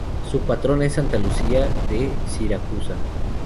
Su patrona es Santa Lucía de Siracusa.